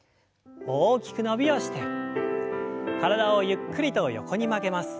大きく伸びをして体をゆっくりと横に曲げます。